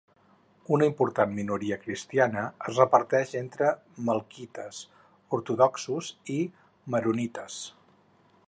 Una important minoria cristiana es reparteix entre melquites, ortodoxos i maronites.